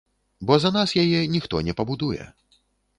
Бо за нас яе ніхто не пабудуе.